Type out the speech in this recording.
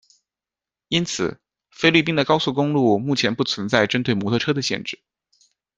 因此，菲律宾的高速公路目前不存在针对摩托车的限制。